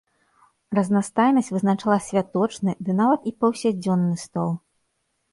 Разнастайнасць вызначала святочны, ды нават і паўсядзённы стол.